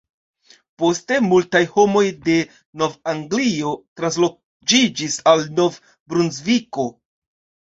Poste, multaj homoj de Nov-Anglio transloĝiĝis al Nov-Brunsviko.